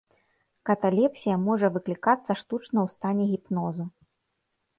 Каталепсія можа выклікацца штучна ў стане гіпнозу.